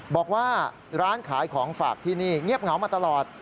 บอกว่าร้านขายของฝากที่นี่เงียบเหงามาตลอด